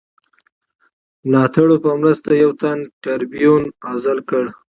ملاتړو په مرسته یو تن ټربیون عزل کړ.